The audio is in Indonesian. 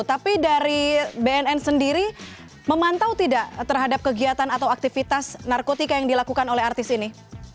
tapi dari bnn sendiri memantau tidak terhadap kegiatan atau aktivitas narkotika yang dilakukan oleh artis ini